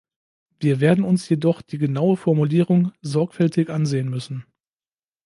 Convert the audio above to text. Wir werden uns jedoch die genaue Formulierung sorgfältig ansehen müssen.